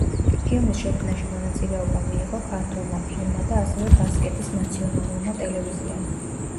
ფილმის შექმნაში მონაწილეობა მიიღო ქართულმა ფილმმა და ასევე ბასკეთის ნაციონალურმა ტელევიზიამ.